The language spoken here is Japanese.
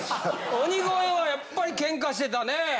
鬼越はやっぱりケンカしてたねぇ。